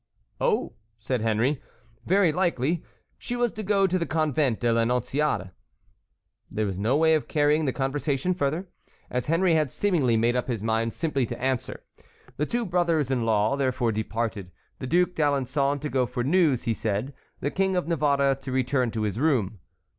"Oh!" said Henry. "Very likely. She was to go to the Convent de l'Annonciade." There was no way of carrying the conversation further, as Henry had seemingly made up his mind simply to answer. The two brothers in law therefore departed, the Duc d'Alençon to go for news, he said, the King of Navarre to return to his room.